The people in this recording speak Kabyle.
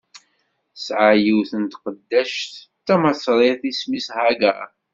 Tesɛa yiwet n tqeddact d tamaṣrit, isem-is Hagaṛ.